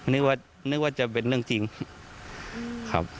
นึกว่าจะเป็นเรื่องจริงครับ